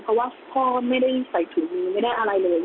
เพราะว่าพ่อไม่ได้ใส่ถุงมือไม่ได้อะไรเลย